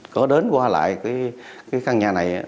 có đến qua lại căn nhà này